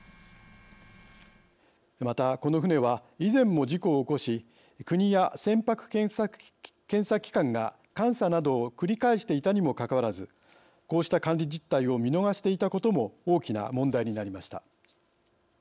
またこの船は以前も事故を起こし国や船舶検査機関が監査などを繰り返していたにもかかわらずこうした管理実態を見逃していたことも大きな問題になりました。